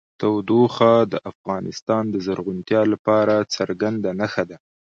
تودوخه د افغانستان د زرغونتیا یوه څرګنده نښه ده.